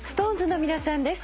ＳｉｘＴＯＮＥＳの皆さんです。